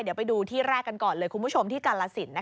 เดี๋ยวไปดูที่แรกกันก่อนเลยคุณผู้ชมที่กาลสิน